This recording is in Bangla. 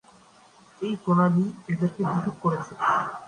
এই প্রণালী ই এদেরকে পৃথক করেছে।